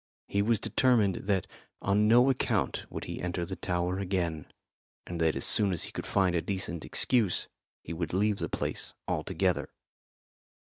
He was determined that on no account would he enter the tower again, and that as soon as he could find a decent excuse he would leave the place altogether.